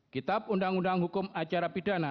kitab undang undang hukum acara pidana